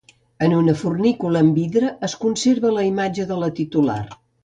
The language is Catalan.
En una fornícula amb vidre es conserva la imatge de la titular.